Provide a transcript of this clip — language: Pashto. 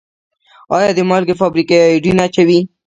آیا د مالګې فابریکې ایوډین اچوي؟